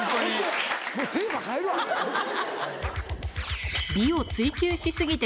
もうテーマ変えるわどうぞ。